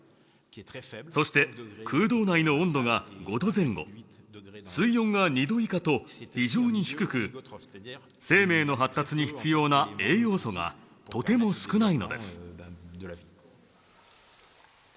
そして空洞内の温度が５度前後水温が２度以下と非常に低く生命の発達に必要な栄養素がとても少ないのです。